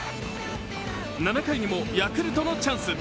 ７回にもヤクルトのチャンス。